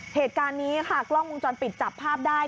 เหตุการณ์นี้ค่ะกล้องวงจรปิดจับภาพได้